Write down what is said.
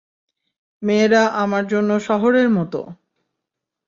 মেয়েরা আমার জন্য শহরের মতো।